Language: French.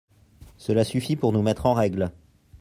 Cela suffit pour nous mettre en règle.